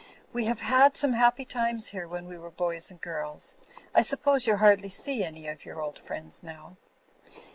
'We have had some happy times here when we were boys and girls. I suppose you hardly see any of your old friends now."